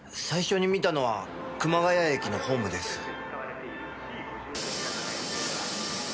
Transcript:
最初に見たのは熊谷駅のホームです。